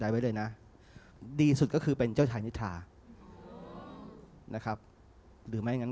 ไว้เลยนะดีสุดก็คือเป็นเจ้าชายนิทรานะครับหรือไม่งั้น